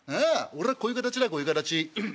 俺はこういう形だこういう形。